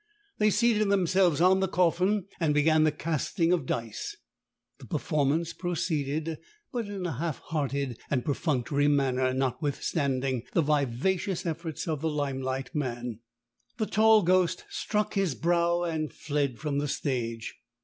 They seated themselves on the coffin and began the casting of dice; the performance proceeded, but in a half hearted and perfunctory manner, notwithstanding the vivacious efforts of the limelight man. The tall ghost struck his brow and fled from the stage.